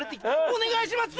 お願いします